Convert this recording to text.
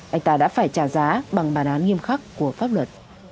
anh ta đã phải trả giá bằng bản án nghiêm khắc của pháp luật